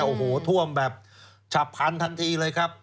โอ้โหท่วมแบบฉับพันทันทีเลยครับ